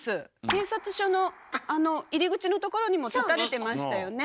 警察署のあの入り口のところにも立たれてましたよね。